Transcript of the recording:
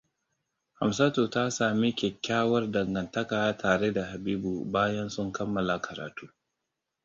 Hamsatu ta sami kyakkyawar dangantaka tare da Habibu bayan sun kammala karatu.